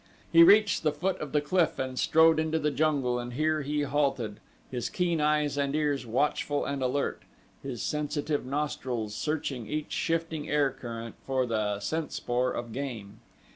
He reached the foot of the cliff and strode into the jungle and here he halted, his keen eyes and ears watchful and alert, his sensitive nostrils searching each shifting air current for the scent spoor of game.